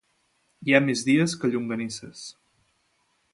Hi ha més dies que llonganisses.